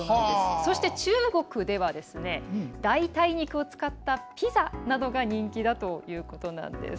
そして、中国では代替肉を使ったピザなどが人気だということです。